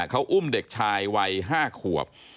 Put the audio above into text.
เขาอุ้มเด็กชายวัย๕ขวบ